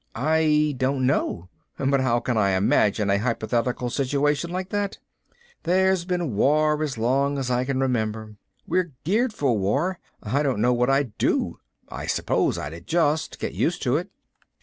"I don't know. But how can I imagine a hypothetical situation like that? There's been war as long as I can remember. We're geared for war. I don't know what I'd do. I suppose I'd adjust, get used to it."